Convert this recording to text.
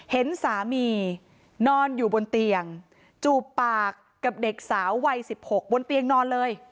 เห็นสามีนอนอยู่บนเตียงจูบปากกับเด็กสาววัย๑๖บนเตียงนอนเลย